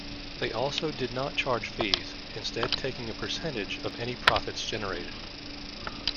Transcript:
They often do not charge fees, instead taking a percentage of any profits generated.